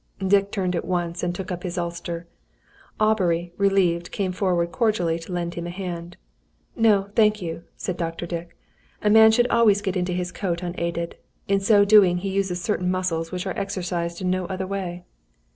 Dick turned at once and took up his ulster. Aubrey, relieved, came forward cordially to lend him a hand. "No, thank you," said Dr. Dick. "A man should always get into his coat unaided. In so doing, he uses certain muscles which are exercised in no other way."